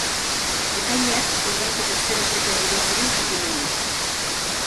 Epaileak ordainketak zeren truke egin ziren jakin nahi du.